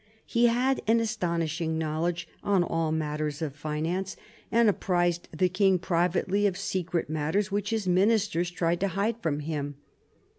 He had an astonishing knowledge on all matters of finance, and apprised the king privately of secret matters which his ministers tried to hide from him.